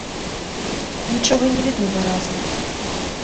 Нічога не відно выразна.